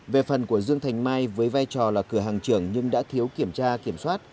về phần của dương thành mai với vai trò là cửa hàng trưởng nhưng đã thiếu kiểm tra kiểm soát